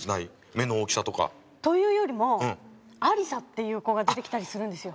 目の大きさとか。というよりもアリサっていう子が出てきたりするんですよ。